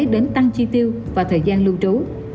đến tăng chi tiêu và thời gian lưu trú